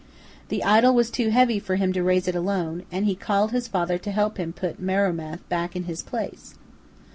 The idol was too heavy for him to raise it alone, and he called his father to help him put Marumath back in his place.